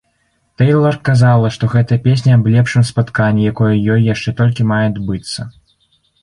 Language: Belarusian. Тэйлар казала, што гэтая песня аб лепшым спатканні, якое ёй яшчэ толькі мае адбыцца.